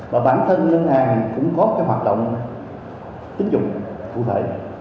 và bản thân ngân hàng cũng có cái hoạt động tín dụng cụ thể